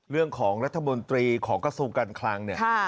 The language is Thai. เรื่องของรัฐมนตรีของกระทรวงการคลังเนี่ย